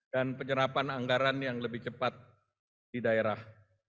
dan penyerapan anggaran yang lebih cepat di daerah